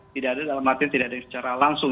tidak ada dalam artinya tidak ada secara langsung